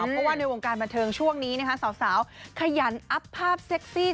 เพราะว่าในวงการบันเทิงช่วงนี้นะคะสาวขยันอัพภาพเซ็กซี่